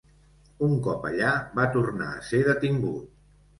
Un cop allà va tornar a ser detingut.